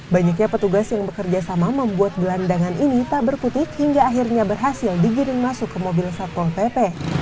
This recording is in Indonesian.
banyaknya petugas yang bekerja sama membuat gelandangan ini tak berputik hingga akhirnya berhasil digiring masuk ke mobil satpol pp